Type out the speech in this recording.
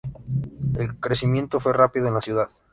El crecimiento fue rápido en la ciudad.